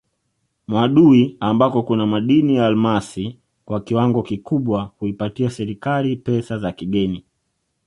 Mwadui ambako kuna madini ya almasi kwa kiwango kikubwa huipatia serikali pesa za kigeni